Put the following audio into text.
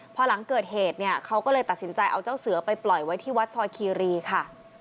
พอหลังเกิดเหตุเนี่ยเขาก็เลยตัดสินใจเอาเจ้าเสือไปปล่อยไว้ที่วัดซอยคีรีค่ะ